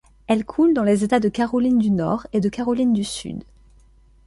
Elle coule dans les États de Caroline du Nord et de Caroline du Sud.